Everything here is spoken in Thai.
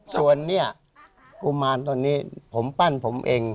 ส่วนเนี่ยกุมารตัวนี้ผมปั้นผมเอง